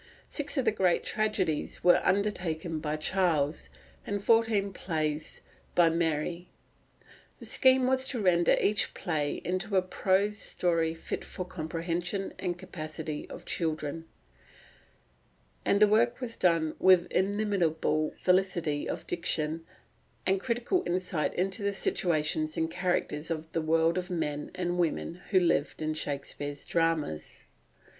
Six of the great tragedies were undertaken by Charles, and fourteen other plays by Mary. The scheme was to render each play into a prose story fit for the comprehension and capacity of children; and the work was done with inimitable felicity of diction, and critical insight into the situations and characters of the world of men and women who live in Shakespeare's dramas.